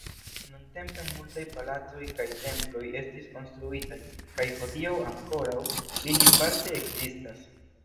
Nuntempe multaj palacoj kaj temploj estis konstruitaj, kaj hodiaŭ ankoraŭ ili parte ekzistas.